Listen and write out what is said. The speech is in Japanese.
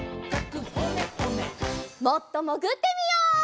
もっともぐってみよう！